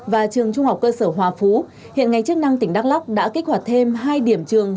và trường trung học cơ sở hòa phú hiện ngành chức năng tỉnh đắk lóc đã kích hoạt thêm hai điểm trường